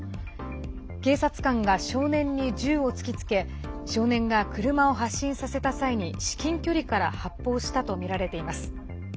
警察官が少年に銃を突きつけ少年が車を発進させた際に至近距離から発砲したとみられています。